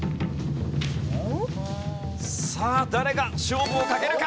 さあ誰が勝負をかけるか？